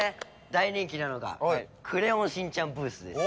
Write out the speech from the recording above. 大人気なのが『クレヨンしんちゃん』ブースです。